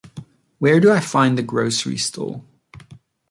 Where do I find the grocery store?